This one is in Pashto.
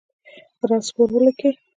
پر آس سپور ولیکئ.